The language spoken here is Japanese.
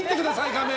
画面！